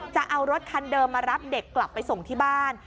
จะเอารถคันเดิมมารับเด็กกลับไปส่งที่บ้าน